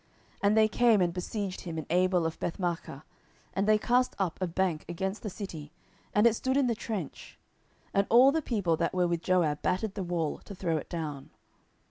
10:020:015 And they came and besieged him in Abel of Bethmaachah, and they cast up a bank against the city, and it stood in the trench: and all the people that were with Joab battered the wall, to throw it down.